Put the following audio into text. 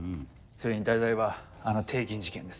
それに題材はあの帝銀事件です。